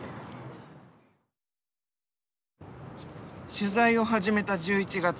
取材を始めた１１月。